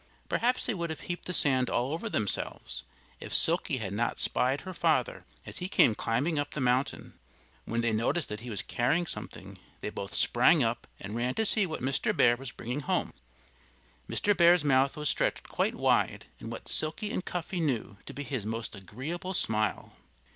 Perhaps they would have heaped the sand all over themselves, if Silkie had not spied her father as he came climbing up the mountain. When they noticed that he was carrying something they both sprang up and ran to see what Mr. Bear was bringing home. Mr. Bear's mouth was stretched quite wide in what Silkie and Cuffy knew to be his most agreeable smile.